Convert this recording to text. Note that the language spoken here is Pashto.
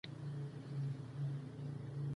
چې یا خو په خېټه موړ شوی